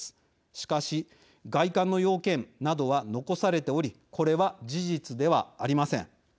しかし外観の要件などは残されておりこれは事実ではありません。